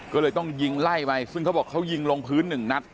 ก็เลยต้องยิงไล่ไปซึ่งเขาบอกเขายิงลงพื้นหนึ่งนัด